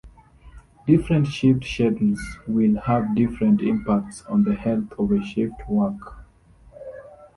Different shift schedules will have different impacts on the health of a shift worker.